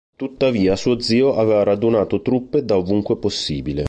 Tuttavia suo zio aveva radunato truppe da ovunque possibile.